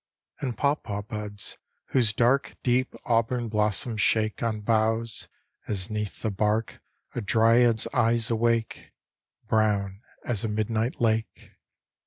And paw paw buds, whose dark Deep auburn blossoms shake On boughs, as 'neath the bark A dryad's eyes awake, Brown as a midnight lake.